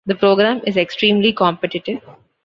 The program is extremely competitive.